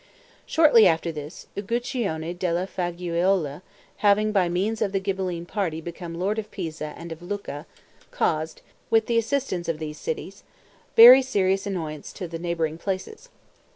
Shortly after this, Uguccione della Faggiuola, having by means of the Ghibelline party become lord of Pisa and of Lucca, caused, with the assistance of these cities, very serious annoyance to the neighbouring places.